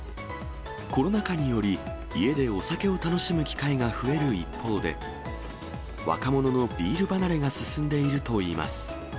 コロナ禍により、家でお酒を楽しむ機会が増える一方で、若者のビール離れが進んでいるといいます。